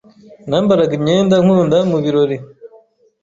Nambaraga imyenda nkunda mubirori.